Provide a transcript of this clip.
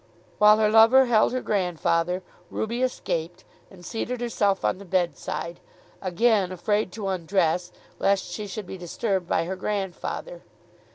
While her lover held her grandfather Ruby escaped, and seated herself on the bedside, again afraid to undress, lest she should be disturbed by her grandfather.